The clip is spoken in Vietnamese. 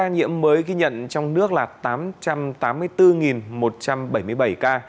nhiễm mới ghi nhận trong nước là tám trăm tám mươi bốn một trăm bảy mươi bảy ca